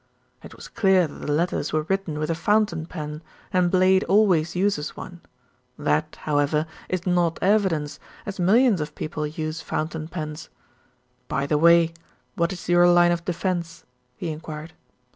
"It was clear that the letters were written with a fountain pen, and Blade always uses one. That, however, is not evidence, as millions of people use fountain pens. By the way, what is your line of defence?" he enquired.